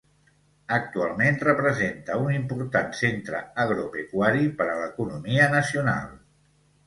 Actualment representa un important centre agropecuari per a l'economia nacional.